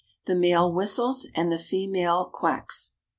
The male whistles and the female "quacks."